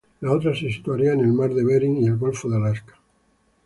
La otra se situaría en el mar de Bering y el golfo de Alaska.